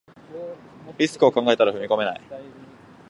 リスクを考えたら踏み込めない